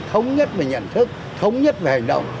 thống nhất về nhận thức thống nhất về hành động